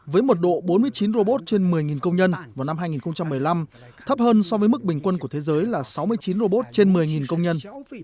với một độ bốn mươi chín robot trên một mươi công nhân vào năm hai nghìn một mươi năm thấp hơn so với mức bình quân của thế giới là sáu mươi chín robot trên một mươi công nhân